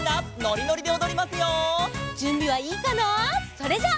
それじゃあ。